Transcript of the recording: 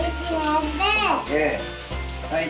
はい！